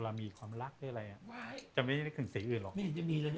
เรามีความรักด้วยอะไรอ่ะจะไม่ได้รู้ถึงสีอื่นหรอกไม่ได้ยังมีเลย